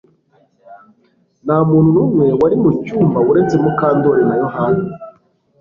Nta muntu numwe wari mu cyumba uretse Mukandoli na Yohana